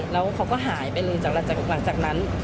แล้วเขาก็หายไปเลยหลังจากนั้น